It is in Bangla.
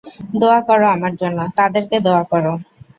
দোয়া কর আমার জন্য তাদেরকে দোয়া কর।